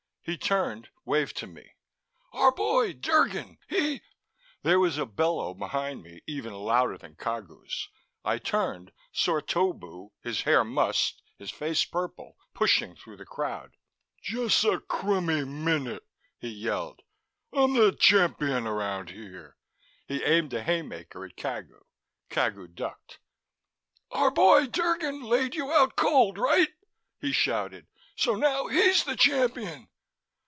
He turned, waved to me. "Our boy, Drgon, he " There was a bellow behind me, even louder than Cagu's. I turned, saw Torbu, his hair mussed, his face purple, pushing through the crowd. "Jussa crummy minute," he yelled. "I'm the Champion around here " He aimed a haymaker at Cagu; Cagu ducked. "Our boy, Drgon, laid you out cold, right?" he shouted. "So now he's the champion."